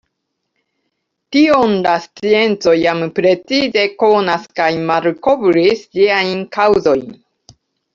Tion la scienco jam precize konas kaj malkovris ĝiajn kaŭzojn.